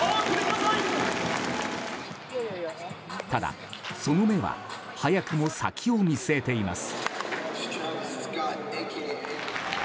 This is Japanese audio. ただ、その目は早くも先を見据えています。